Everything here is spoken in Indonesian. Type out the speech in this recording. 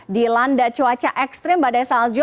dilanda cuaca ekstrim badai salju